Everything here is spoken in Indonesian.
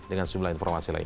dengan sejumlah informasi lain